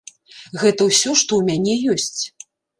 Гэта ўсё, што ў мяне ёсць.